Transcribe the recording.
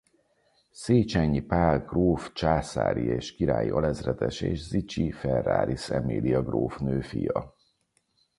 Széchenyi Pál gróf császári és királyi alezredes és Zichy-Ferraris Emilia grófnő fia.